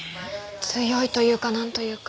強いというかなんというか。